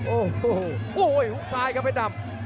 โอ้โหโอ้โหหุ้กซ้ายครับเผ็ดดำ